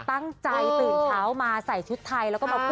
ตั้งใจตื่นเช้ามาใส่ชุดไทยแล้วก็มาพูด